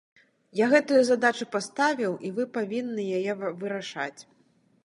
Я гэтую задачу паставіў, і вы павінны яе вырашаць.